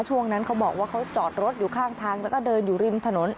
ช่วงนั้นเขาบอกว่าเขาจอดรถอยู่ข้างทางแล้วก็เดินอยู่ริมถนน